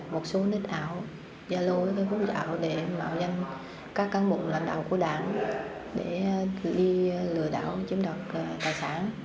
một số nít ảo gia lôi hút dạo để mạo danh các cán bụng lãnh đạo của đảng để gửi đi lừa đảo chiếm đoạt tài sản